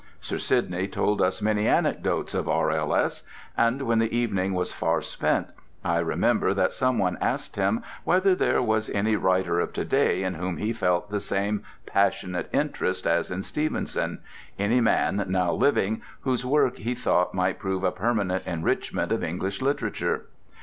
Sir Sidney told us many anecdotes of R.L.S., and when the evening was far spent I remember that someone asked him whether there was any writer of to day in whom he felt the same passionate interest as in Stevenson, any man now living whose work he thought would prove a permanent enrichment of English literature.